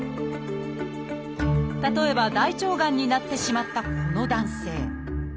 例えば大腸がんになってしまったこの男性。